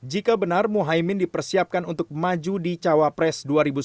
jika benar muhaimin dipersiapkan untuk maju di cawa pres dua ribu sembilan belas